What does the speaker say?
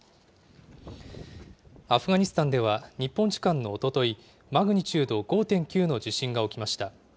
アフガニスタンでは日本時間のおととい、マグニチュード５．９の地震が起きました。